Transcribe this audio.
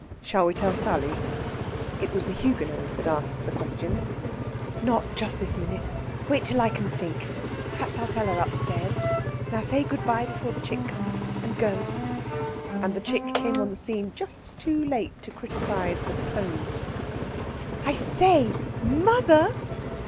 "Shall we tell Sally?" It was the Huguenot that asked the question. "Not just this minute. Wait till I can think. Perhaps I'll tell her upstairs. Now say good bye before the chick comes, and go." And the chick came on the scene just too late to criticise the pose. "I say, mother!"